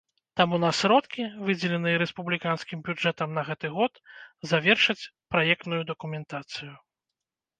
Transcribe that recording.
Таму на сродкі, выдзеленыя рэспубліканскім бюджэтам на гэты год, завершаць праектную дакументацыю.